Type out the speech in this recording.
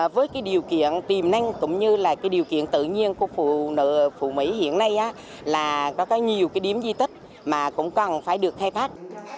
với điều kiện tìm năng cũng như điều kiện tự nhiên của phụ nữ phụ mấy hiện nay là có nhiều điểm di tích mà cũng cần phải được khai phát